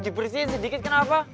dibersihin sedikit kenapa